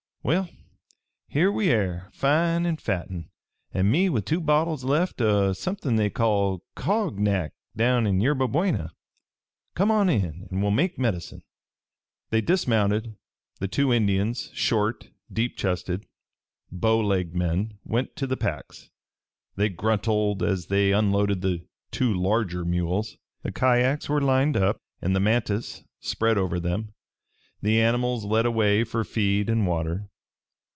Well, here we air, fine an' fatten, an' me with two bottles left o' somethin' they call coggnac down in Yerba Buena. Come on in an' we'll make medicine." They dismounted. The two Indians, short, deep chested, bow legged men, went to the packs. They gruntled as they unloaded the two larger mules. The kyacks were lined up and the mantas spread over them, the animals led away for feed and water.